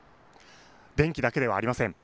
電気だけではありません。